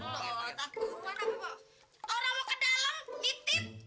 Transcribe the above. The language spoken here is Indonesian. orang mau ke dalem ditit